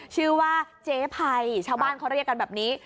ชื่อว่าเจ๊ภัยชาวบ้านเขาเรียกกันแบบนี้